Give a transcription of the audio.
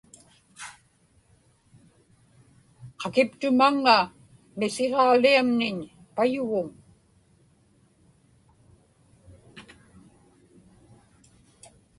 qakiptumaŋŋa misiġaaliamniñ payuguŋ